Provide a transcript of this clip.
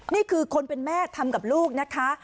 นี่คือคนเป็นแม่ทำกับลูกนะคะ